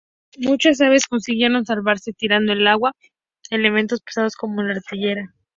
Muchas naves consiguieron salvarse tirando al agua elementos pesados, como la artillería.